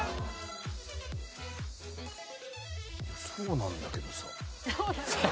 そうなんだけどさ。